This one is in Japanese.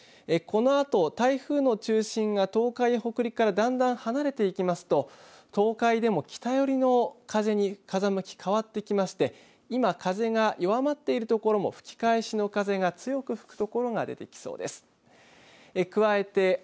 このあと台風の中心が東海北陸からだんだん離れていきますと東海でも北寄りの風に風向き、変わってきまして今、風が弱まっている所も吹き返しの風が強く吹く所が出てきそうです。